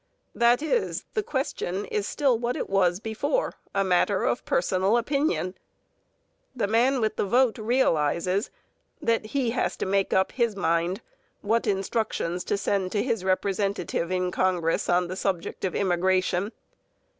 That is, the question is still what it was before: a matter of personal opinion! The man with the vote realizes that he has to make up his mind what instructions to send to his representative in Congress on the subject of immigration.